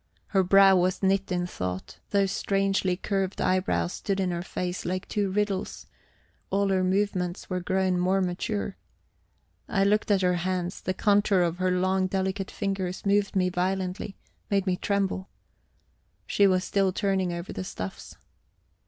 Her brow was knit in thought; those strangely curved eyebrows stood in her face like two riddles; all her movements were grown more mature. I looked at her hands; the contour of her long, delicate fingers moved me violently, made me tremble. She was still turning over the stuffs.